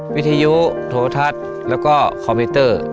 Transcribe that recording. วิทยุโทรทัศน์แล้วก็คอมพิวเตอร์